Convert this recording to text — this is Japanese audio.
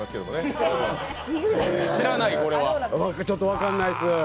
ちょっと分かんないです。